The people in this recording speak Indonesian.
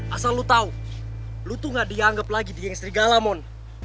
asal lo tau lo tuh gak dianggap lagi di geng serigala mon